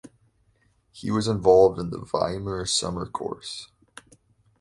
He was involved in the Weimar Summer Course.